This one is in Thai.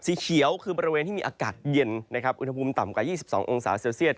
สีเขียวคือบริเวณที่มีอากาศเย็นนะครับอุณหภูมิต่ำกว่า๒๒องศาเซลเซียต